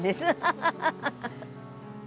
ハハハハ！